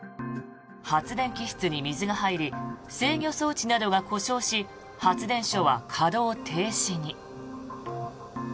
発電機室に水が入り制御装置などが故障し発電所は稼働停止に。